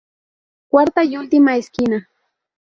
Cuarta y última Esquina.